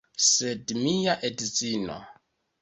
Sed mia edzino